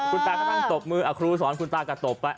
คุณตาก็ตกมือกับครูสอนคุณตาก็ตกไป